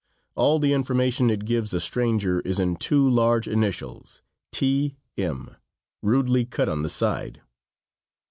All the information it gives a stranger is in two large initials, T. M., rudely cut on the side.